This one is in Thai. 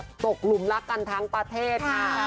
เพื่อที่ผู้ชายต้องรักกันทั้งประเทศค่ะ